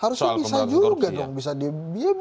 harusnya bisa juga dong bisa dia bisa